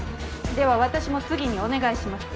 では私も次にお願いします。